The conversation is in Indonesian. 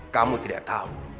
kamu tidak tahu